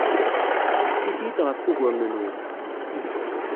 Ḥkut-iyi-d ɣef wuguren-nwen.